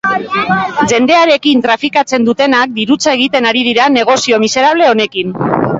Jendearekin trafikatzen dutenak dirutza egiten ari dira negozio miserable honekin.